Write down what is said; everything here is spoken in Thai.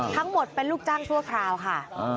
ทั้งหมดเป็นลูกจ้างชั่วคราวค่ะ